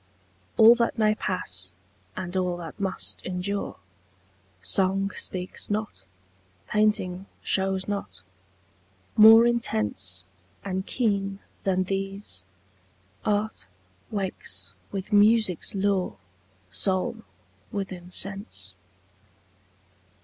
All that may pass, and all that must endure, Song speaks not, painting shews not: more intense And keen than these, art wakes with music's lure Soul within sense.